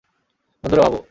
বন্ধুরা, ভাবো।